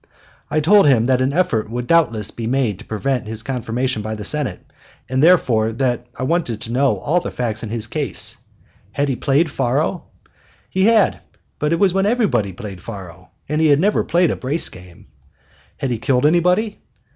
I told him that an effort would doubtless be made to prevent his confirmation by the Senate, and therefore that I wanted to know all the facts in his case. Had he played faro? He had; but it was when everybody played faro, and he had never played a brace game. Had he killed anybody?